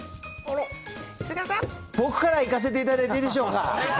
僕からいかせていただいていいでしょうか。